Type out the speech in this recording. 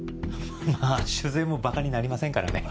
まぁ酒税もばかになりませんからね。